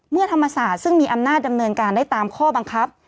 ธรรมศาสตร์ซึ่งมีอำนาจดำเนินการได้ตามข้อบังคับ